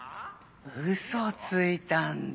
ウソついたんだ。